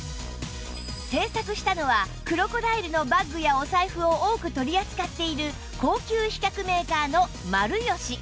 製作したのはクロコダイルのバッグやお財布を多く取り扱っている高級皮革メーカーのマルヨシ